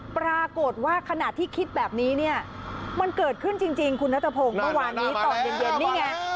ปรากฏว่าขณะที่คิดแบบนี้เนี่ยมันเกิดขึ้นจริงคุณนัทพงศ์เมื่อวานนี้ตอนเย็นนี่ไง